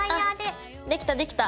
あっできたできた。